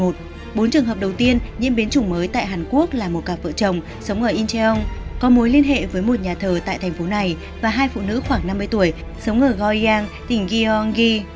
bốn trường hợp đầu tiên nhiễm biến chủng mới tại hàn quốc là một cặp vợ chồng sống ở incheon có mối liên hệ với một nhà thờ tại thành phố này và hai phụ nữ khoảng năm mươi tuổi sống ở goyang tỉnh gyeonggi